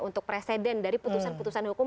untuk presiden dari putusan putusan hukum